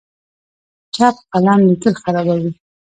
چپ قلم لیکل خرابوي.